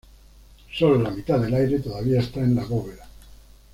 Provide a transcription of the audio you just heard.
Sólo la mitad del aire todavía está en la bóveda.